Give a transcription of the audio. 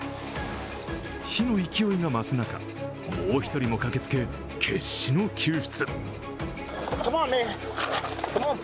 火の勢いが増すなか、もう一人も駆けつけ決死の救出。